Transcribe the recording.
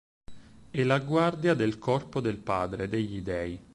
È la guardia del corpo del padre degli dei.